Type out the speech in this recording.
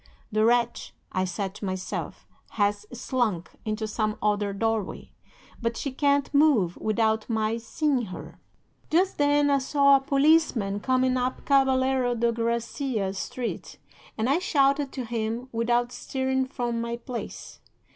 The wretch, I said to myself, has slunk into some other doorway. But she can't move without my seeing her. "'Just then I saw a policeman coming up Caballero de Gracia Street, and I shouted to him without stirring from my place.